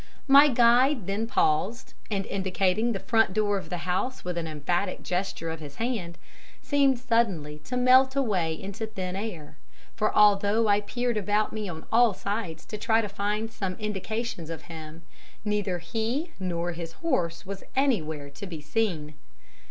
"My guide then paused, and indicating the front door of the house with an emphatic gesture of his hand, seemed suddenly to melt away into thin air, for although I peered about me on all sides to try to find some indications of him, neither he nor his horse was anywhere to be seen.